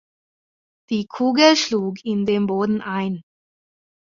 Die Kugel schlug in den Boden ein.